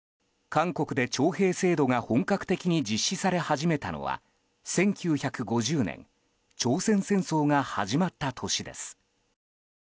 韓国で徴兵制度が本格的に実施され始めたのは１９５０年朝鮮戦争が始まった年です。